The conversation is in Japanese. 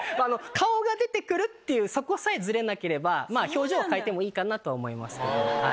顔が出て来るっていうそこさえずれなければ表情は変えてもいいかなとは思いますけど。